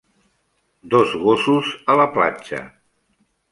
Dos gossos a la platja.